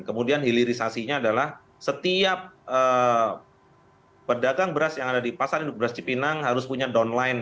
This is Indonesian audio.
kemudian hilirisasinya adalah setiap pedagang beras yang ada di pasar induk beras cipinang harus punya downline